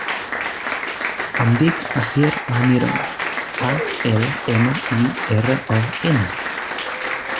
Em dic Asier Almiron: a, ela, ema, i, erra, o, ena.